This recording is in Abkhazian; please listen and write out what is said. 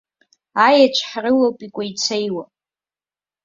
Аеҵә ҳрылоуп икәеицеиуа.